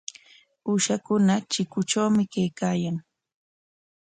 Uushakuna chikuntrawmi kaykaayan.